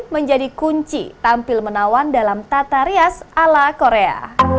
menjadi kunci tampil menawan dalam tata rias ala korea